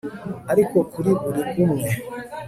ariko kuri buri umwe